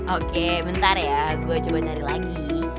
oke bentar ya gue coba cari lagi